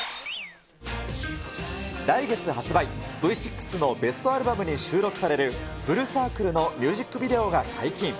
来月発売、Ｖ６のベストアルバムに収録される、フルサークルのミュージックビデオが解禁。